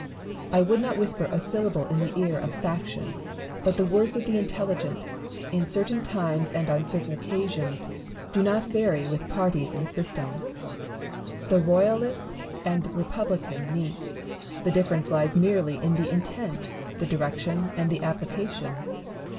I would not whisper a syllable in the car of faction ; but the words of 196 IMAGINARY CONVERSATIONS. the intelligent, in certain times and on certain occasions, do not vary with parties and systems. The royalist and republican meet ; the difference lies merely in the intent, the direction, and the application.